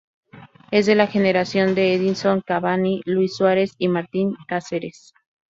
Es de la generación de Edinson Cavani, Luis Suarez y Martin Caceres.